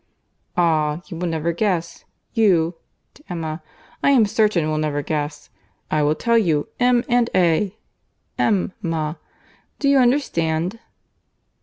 "Ah! you will never guess. You, (to Emma), I am certain, will never guess.—I will tell you.—M. and A.—Em ma.—Do you understand?"